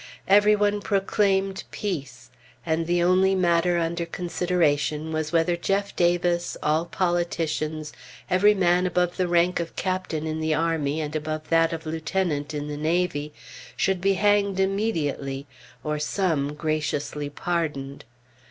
Every one proclaimed Peace, and the only matter under consideration was whether Jeff Davis, all politicians, every man above the rank of Captain in the army and above that of Lieutenant in the navy, should be hanged immediately, or some graciously pardoned.